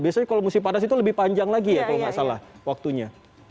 biasanya kalau musim panas itu lebih panjang lagi ya kalau nggak salah waktunya